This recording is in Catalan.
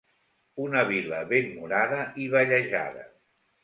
Una vila ben murada i vallejada.